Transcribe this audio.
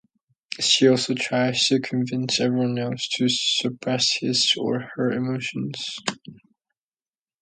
She also tries to convince everyone else to suppress his or her emotions.